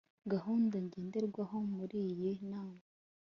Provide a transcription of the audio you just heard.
gahunda ngenderwaho muri iyo nama